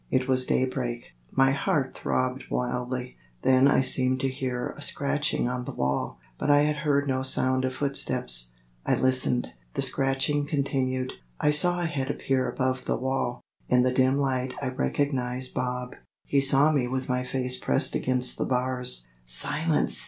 It was daybreak. My heart throbbed wildly. Then I seemed to hear a scratching on the wall, but I had heard no sound of footsteps. I listened. The scratching continued. I saw a head appear above the wall. In the dim light I recognized Bob. He saw me with my face pressed against the bars. "Silence!"